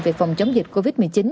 về phòng chống dịch covid một mươi chín